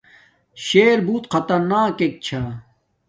شر بُوٹ خطرناک چھا